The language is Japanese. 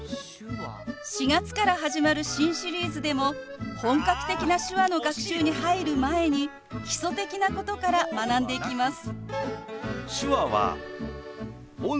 ４月から始まる新シリーズでも本格的な手話の学習に入る前に基礎的なことから学んでいきます。